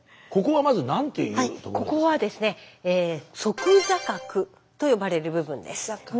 はいここはですねと呼ばれる部分です。